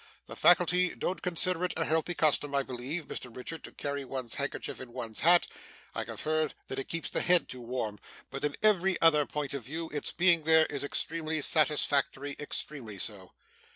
The faculty don't consider it a healthy custom, I believe, Mr Richard, to carry one's handkerchief in one's hat I have heard that it keeps the head too warm but in every other point of view, its being there, is extremely satisfactory extremely so.